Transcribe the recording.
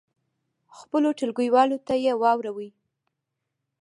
خپلو ټولګیوالو ته یې واوروئ.